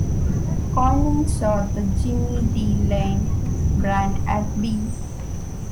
Koenig saw the Jimmy D. Lane band at B.